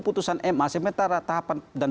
keputusan ema sementara tahapan dan